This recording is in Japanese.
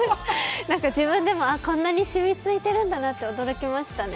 自分でも、あっ、こんなにも染みついているんだなと驚きましたね。